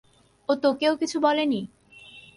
ও তোকেও কিছু বলেনি?